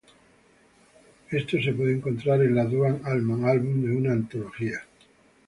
Esto se puede encontrar en la Duane Allman álbum de "Una Antología".